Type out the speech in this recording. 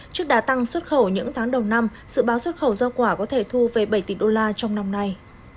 trước đà tăng xuất khẩu những tháng đầu năm dự báo xuất khẩu giao quả có thể thu về bảy tỷ đô la trong năm nay